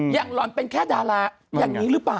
หล่อนเป็นแค่ดาราอย่างนี้หรือเปล่า